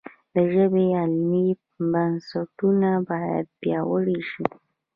د ژبې علمي بنسټونه باید پیاوړي شي.